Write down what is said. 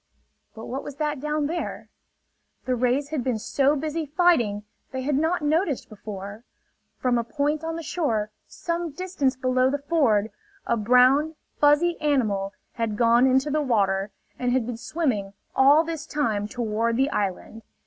But what was that down there? The rays had been so busy fighting they had not noticed before. From a point on the shore some distance below the ford a brown, fuzzy animal had gone into the water, and had been swimming all this time toward the island.